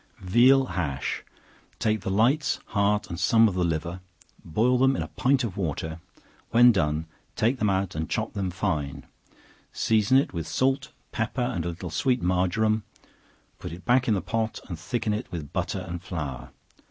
Veal Hash. Take the lights, heart, and some of the liver, boil them in a pint of water, when done, take them out and chop them fine, season it with salt, pepper and a little sweet marjoram, put it hack in the pot, and thicken it with butter and flour.